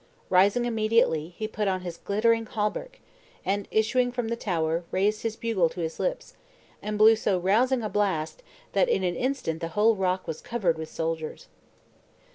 Rising immediately, he put on his glittering hauberk; and issuing from the tower, raised his bugle to his lips, and blew so rousing a blast, that in an instant the whole rock was covered with soldiers.